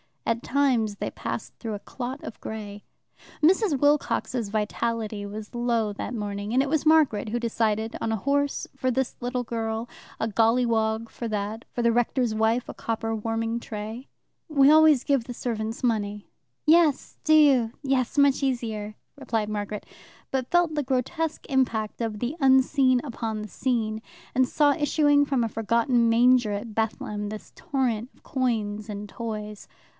At times they passed through a clot of grey. Mrs. Wilcox's vitality was low that morning, and it was Margaret who decided on a horse for this little girl, a golliwog for that, for the rector's wife a copper warming tray. "We always give the servants money." "Yes, do you, yes, much easier," replied Margaret, but felt the grotesque impact of the unseen upon the seen, and saw issuing from a forgotten manger at Bethlehem this torrent of coins and toys.